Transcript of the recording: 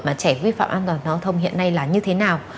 mà trẻ vi phạm an toàn giao thông hiện nay là như thế nào